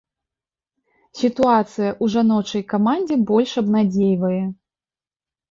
Сітуацыя ў жаночай камандзе больш абнадзейвае.